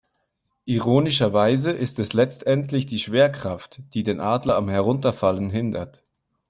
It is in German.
Ironischerweise ist es letztendlich die Schwerkraft, die den Adler am Herunterfallen hindert.